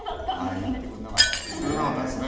言ってくれなかったですね。